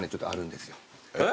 えっ？